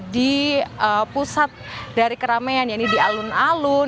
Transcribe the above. di pusat dari keramaian ini di alun alun ini juga sudah ramai